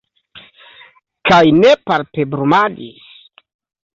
Kaj ne palpebrumadis.